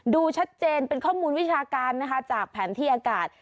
ดูชัดเจนเป็นข้อมูลวิชาการนะคะจากแผนที่อากาศ